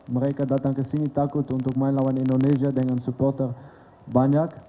mereka datang ke sini takut untuk main lawan indonesia dengan supporter banyak